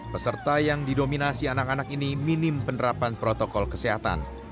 peserta yang didominasi anak anak ini minim penerapan protokol kesehatan